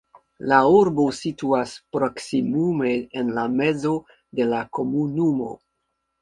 La urbo situas proksimume en la mezo de la komunumo.